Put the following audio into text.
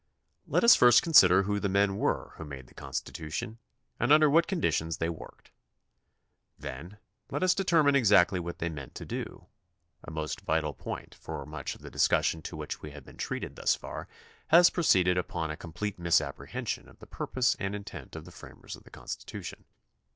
Let us first consider who the men were who made the Constitution and under what conditions they worked. Then let us determine exactly what they meant to do — a most vital point, for much of the discussion to which we have been treated thus far has proceeded upon a complete misapprehension of the purpose and intent of the framers of the Constitution.